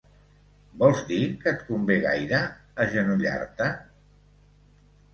¿Vols dir que et convé gaire, agenollar-te?